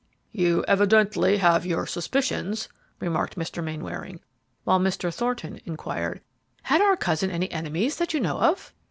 "You evidently have your suspicions," remarked Mr. Mainwaring, while Mr. Thornton inquired, "Had our cousin any enemies that you know of?"